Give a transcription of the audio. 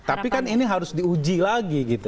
tapi kan ini harus diuji lagi gitu